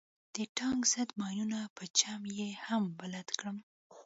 د ټانک ضد ماينونو په چم يې هم بلد کړم.